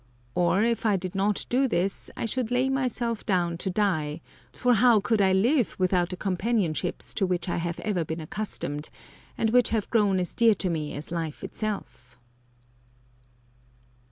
Or if I did not do this, I should lay myself down to die, for how could I live without the companionships to which I have ever been accustomed, and which have grown as dear to me as life itself?